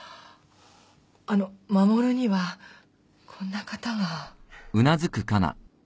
あの護にはこんな方が。